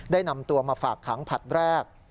นำตัวมาฝากขังผลัดแรก